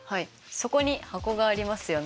そこに箱がありますよね。